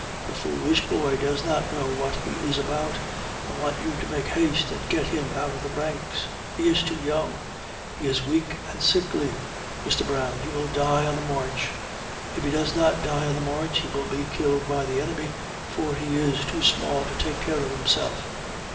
the foolish boy does not know what he is about. I want you to make haste and get him out of the ranks. He is too young he is weak and sickly. Mr. Brown, he will die on the march. If he does not die on the march he will be killed by the enemy, for he is too small to take care of himself.